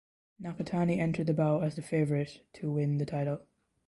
Nakatani entered the bout as the favorite to win the title.